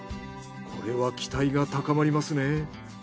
これは期待が高まりますね。